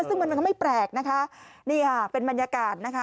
ซึ่งมันมันก็ไม่แปลกนะคะนี่ค่ะเป็นบรรยากาศนะคะ